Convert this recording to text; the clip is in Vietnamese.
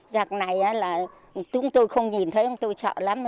giặc này là chúng tôi không nhìn thấy chúng tôi sợ lắm